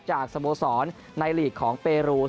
จากสโมสรในลีกของเปลือ